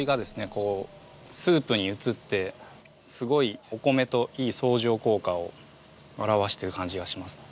こうスープに移ってすごいお米といい相乗効果を表してる感じがします。